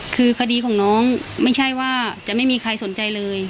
คือคดีของน้องไม่ใช่ว่าจะไม่มีใครสนใจเลย